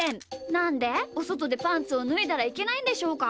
なんでおそとでパンツをぬいだらいけないんでしょうか？